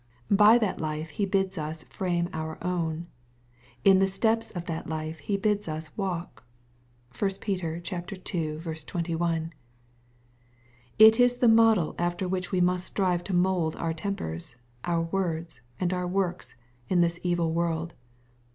By that life he bids us frame our own. In the steps of that life He bids us walk. (1 Peter ii. 21.) It is the model after which we must strive to mpld our tempers, our words, and our works, in this evil world.